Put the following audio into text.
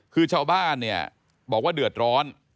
คือชาวบ้านเนี่ยบอกว่าเดือดร้อน